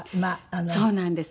そうなんです。